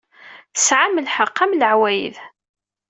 Tesɛam lḥeqq, am leɛwayed.